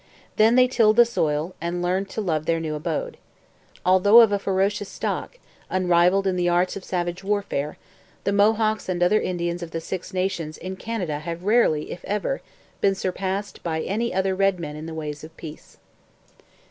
Then they tilled the soil, and learned to love their new abode. Although of a ferocious stock, unrivalled in the arts of savage warfare, the Mohawks and other Indians of the Six Nations in Canada have rarely, if ever, been surpassed by any other red men in the ways of peace.